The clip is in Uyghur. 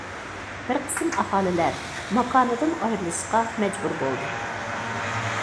بىر قىسىم ئاھالىلەر ماكانىدىن ئايرىلىشقا مەجبۇر بولدى.